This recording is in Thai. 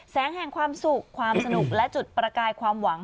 แสงแห่งความสุขความสนุกและจุดประกายความหวัง